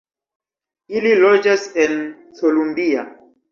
Ili loĝas en Columbia.